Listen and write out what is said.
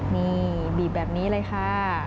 นี่บีบแบบนี้เลยค่ะ